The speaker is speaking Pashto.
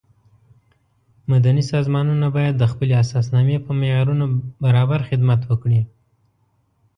مدني سازمانونه باید د خپلې اساسنامې په معیارونو برابر خدمت وکړي.